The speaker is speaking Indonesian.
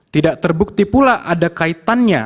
tidak terbukti pula ada kaitannya